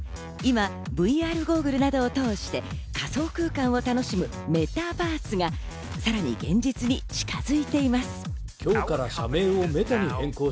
今、ＶＲゴーグルなどを通して仮想空間を楽しむメタバースがさらに現実に近づいています。